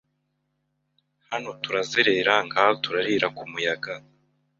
Hano turazerera ngaho turariraKu muyaga